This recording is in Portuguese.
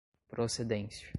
procedência